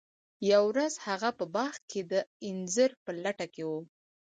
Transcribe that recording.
یوه ورځ هغه په باغ کې د انځر په لټه کې و.